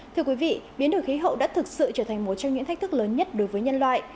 thưa quý vị biến đổi khí hậu đã thực sự trở thành một trong những thách thức lớn nhất đối với nhân loại